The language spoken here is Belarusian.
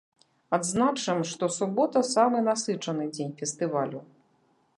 Адзначым, што субота самы насычаны дзень фестывалю.